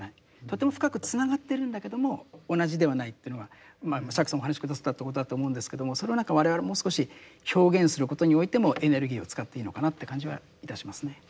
とても深くつながってるんだけども同じではないというのが釈さんもお話し下さったってことだと思うんですけどもそれを何か我々もう少し表現することにおいてもエネルギーを使っていいのかなって感じはいたしますね。